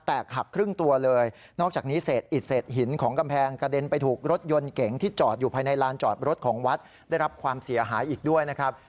หักครึ่งตัวเลยนอกจากนี้เศษอิดเศษหินของกำแพงกระเด็นไปถูกรถยนต์เก๋งที่จอดอยู่ภายในลานจอดรถของวัดได้รับความเสียหายอีกด้วยนะครับ